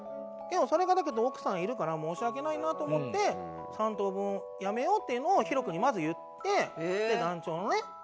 それがだけど奥さんいるから申し訳ないなと思って「三等分やめよう」っていうのをＨＩＲＯ君にまず言って団長のね